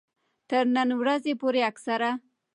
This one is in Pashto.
تر نن ورځې پورې اکثره